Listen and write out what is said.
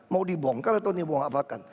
mau dibongkar atau dibongkar apa